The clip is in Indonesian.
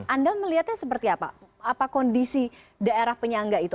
anda melihatnya seperti apa apa kondisi daerah penyangga itu